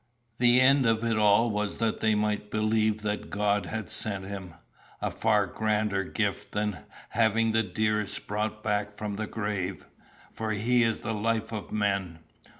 "The end of it all was that they might believe that God had sent him a far grander gift than having the dearest brought back from the grave; for he is the life of men.